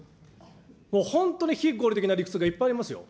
もう本当に非合理的な理屈がいっぱいありますよ。